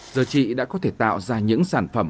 giờ chị đã có thể tạo ra những sản phẩm